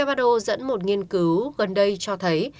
who dẫn một nghiên cứu gần đây cho thấy